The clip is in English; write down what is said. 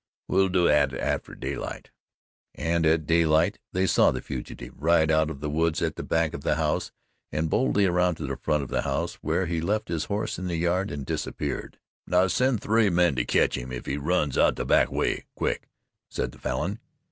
We'll do that atter daylight." And at daylight they saw the fugitive ride out of the woods at the back of the house and boldly around to the front of the house, where he left his horse in the yard and disappeared. "Now send three men to ketch him if he runs out the back way quick!" said the Falin.